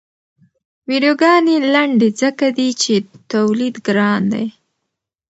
ویډیوګانې لنډې ځکه دي چې تولید ګران دی.